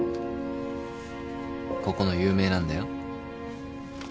ここの有名なんだよ。